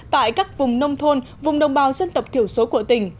tại các vùng nông thôn vùng đồng bào dân tộc thiểu số của tỉnh